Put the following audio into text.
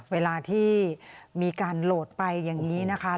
เวลาที่มีการโหลดไปอย่างนี้นะคะ